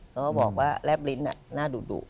แล้วก็บอกว่าแรบลิ้นหน้าดุ